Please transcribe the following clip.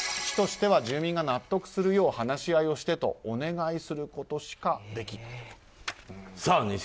市としては、住民が納得するよう話し合いをしてとお願いすることしかできないと。